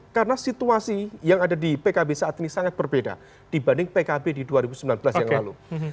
karena situasi yang ada di pkb saat ini sangat berbeda dibanding pkb di dua ribu sembilan belas yang lalu